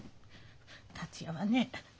達也はね